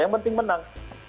yang penting menang